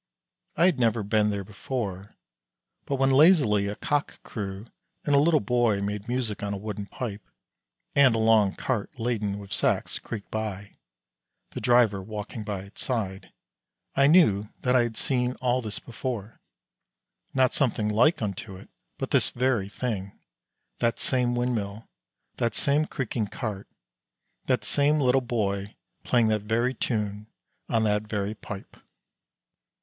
I had never been there before. But when lazily, a cock crew, and a little boy made music on a wooden pipe, and a long cart laden with sacks creaked by, the driver walking by its side, I knew that I had seen all this before, not something like unto it, but this very thing, that same windmill, that same creaking cart, that same little boy playing that very tune on that very pipe.